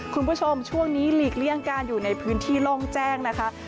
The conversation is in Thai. คุณผู้ชมช่วงนี้หลีกเลี่ยงการอยู่ในพื้นที่โล่งแจ้งนะคะ